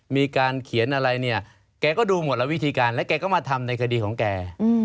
มีการเขียนอะไรเนี่ยแกก็ดูหมดละวิธีการแล้วแกก็มาทำในคดีของแก